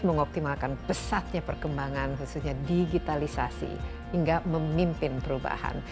mengoptimalkan pesatnya perkembangan khususnya digitalisasi hingga memimpin perubahan